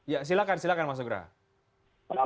ya silakan silakan mas soegara